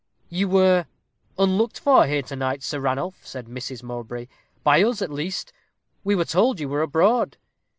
"You were unlooked for here to night, Sir Ranulph," said Mrs. Mowbray; "by us, at least: we were told you were abroad."